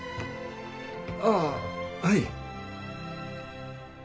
ああはい。